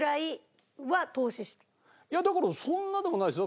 いやだけどそんなでもないですよ。